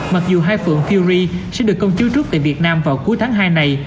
mặc dù hai phượng fury sẽ được công chứa trước tại việt nam vào cuối tháng hai này